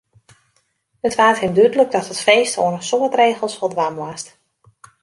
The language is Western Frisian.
It waard him dúdlik dat it feest oan in soad regels foldwaan moast.